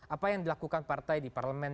apa yang dilakukan partai di parlemen